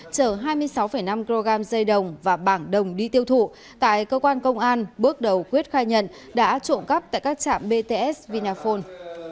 chở hai mươi sáu năm kg dây đồng và bảng đồng đi tiêu thụ tại cơ quan công an bước đầu quyết khai nhận đã trộm cắp tại các trạm bts vinaphone